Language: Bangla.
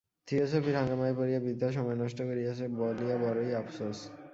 থিওসফির হাঙ্গামায় পড়িয়া বৃথা সময় নষ্ট করিয়াছে বলিয়া বড়ই আপসোস।